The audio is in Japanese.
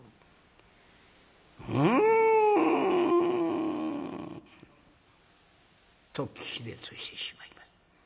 「ん」。と気絶してしまいます。